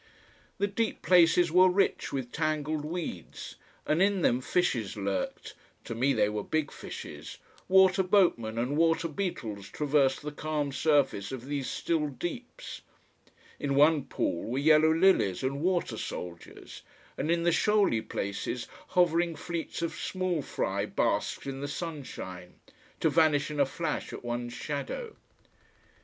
The deep places were rich with tangled weeds, and in them fishes lurked to me they were big fishes water boatmen and water beetles traversed the calm surface of these still deeps; in one pool were yellow lilies and water soldiers, and in the shoaly places hovering fleets of small fry basked in the sunshine to vanish in a flash at one's shadow.